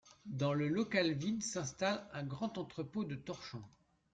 Dans le local vide s'installe un grand entrepôt de torchons.